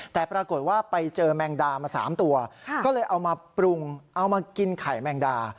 แต่ปรากฏว่าไปเจอแมงดามา๓ตัวก็เลยเอามาปรุงเอามากินไข่แมงดา